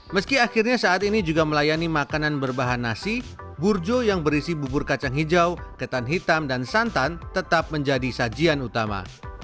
meski akhirnya saat ini juga melayani makanan berbahan nasi burjo yang berisi bubur kacang hijau ketan hitam dan santan tetap menjadi sajian utama